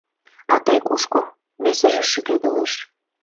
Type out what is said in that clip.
— А тый кушко? — весыже шӱкедылеш.